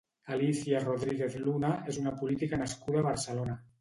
Alicia Rodríguez Luna és una política nascuda a Barcelona.